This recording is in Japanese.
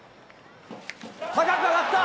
高く上がった。